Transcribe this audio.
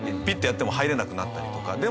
ピッてやっても入れなくなったりとか。